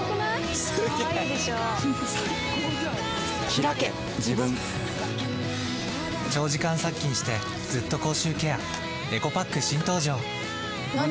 ひらけ自分長時間殺菌してずっと口臭ケアエコパック新登場！